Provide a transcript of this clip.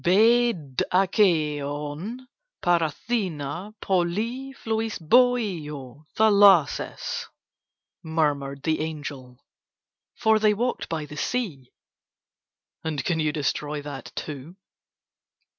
"Be dakeon para Thina poluphloisboio Thalassaes," murmured the angel, for they walked by the sea, "and can you destroy that too?"